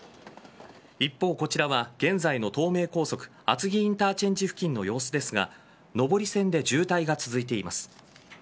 一方、こちらは現在の東名高速厚木インターチェンジ付近の様子ですが上り線で渋滞が続いています。